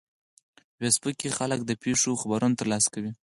په فېسبوک کې خلک د پیښو خبرونه ترلاسه کوي